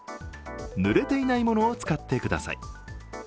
ぬれていないものを使ってください。